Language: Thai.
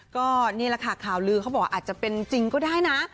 ก็นี่แหละค่ะข่าวลือเขาบอกว่าอาจจะเป็นจริงก็ได้นะ